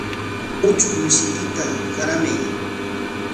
Uchuk mishiykita qaramay.